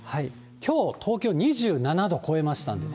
きょう、東京２７度超えました。